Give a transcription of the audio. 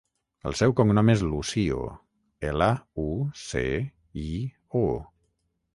El seu cognom és Lucio: ela, u, ce, i, o.